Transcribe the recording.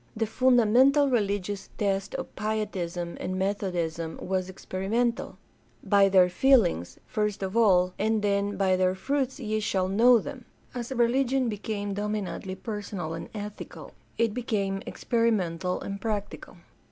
The fundamental religious test of Pietism and Methodism was experimental — by their feelings, first of all, and then "by their fruits ye shall know them." As religion became dominantly personal and ethical it became experimental and practical.